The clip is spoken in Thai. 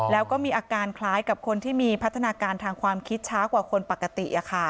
แล้วก็มีอาการคล้ายกับคนที่มีพัฒนาการทางความคิดช้ากว่าคนปกติ